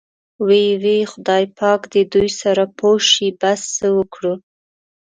وۍ وۍ خدای پاک دې دوی سره پوه شي، بس څه وکړو.